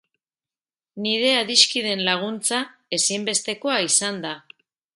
Nire adiskideen laguntza ezinbestekoa izan da.